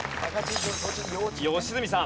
良純さん。